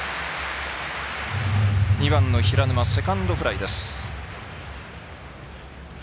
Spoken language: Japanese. ２番平沼、セカンドフライです。